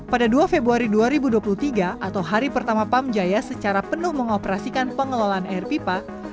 pada dua februari dua ribu dua puluh tiga atau hari pertama pam jaya secara penuh mengoperasikan pengelolaan air pipa